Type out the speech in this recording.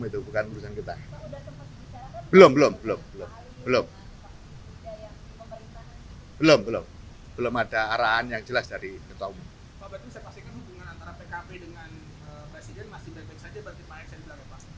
pak tapi saya pastikan hubungan antara pkp dengan presiden masih baik baik saja berarti pak eksen bila bapak